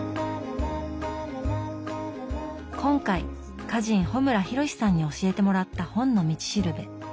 今回歌人・穂村弘さんに教えてもらった「本の道しるべ」。